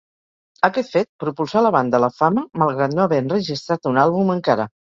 Aquest fet propulsà la banda a la fama malgrat no haver enregistrat un àlbum encara.